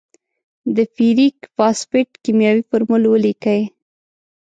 د فیریک فاسفیټ کیمیاوي فورمول ولیکئ.